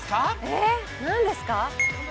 え、何ですか？